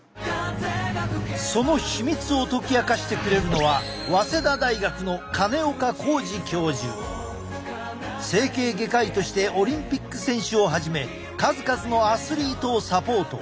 そのヒミツを解き明かしてくれるのは整形外科医としてオリンピック選手をはじめ数々のアスリートをサポート。